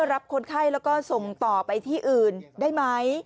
รับคนไข้แล้วก็ส่งต่อไปที่อื่นได้ไหม